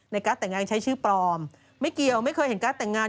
การ์ดแต่งงานใช้ชื่อปลอมไม่เกี่ยวไม่เคยเห็นการ์ดแต่งงาน